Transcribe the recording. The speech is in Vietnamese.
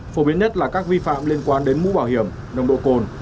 phổ biến nhất là các vi phạm liên quan đến mũ bảo hiểm nồng độ cồn